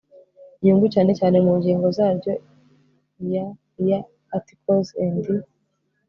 inyungu cyane cyane mu ngingo zaryo iya iya Articles and